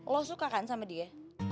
lo suka kan sama dia